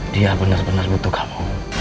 dia benar benar butuh kamu